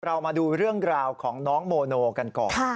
เรามาดูเรื่องราวของน้องโมโนกันก่อน